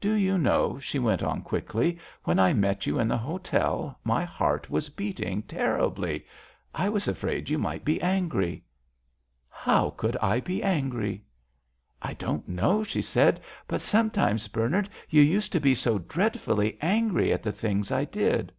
"Do you know," she went on quickly, "when I met you in the hotel my heart was beating terribly. I was afraid you might be angry!" "How could I be angry?" "I don't know," she said; "but sometimes, Bernard, you used to be so dreadfully angry at the things I did."